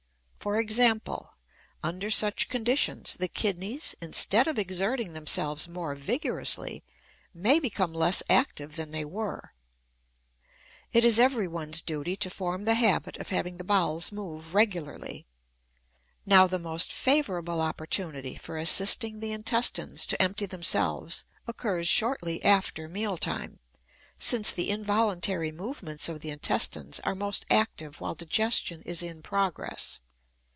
For example, under such conditions, the kidneys, instead of exerting themselves more vigorously, may become less active than they were. It is everyone's duty to form the habit of having the bowels move regularly. Now the most favorable opportunity for assisting the intestines to empty themselves occurs shortly after meal time, since the involuntary movements of the intestines are most active while digestion is in progress.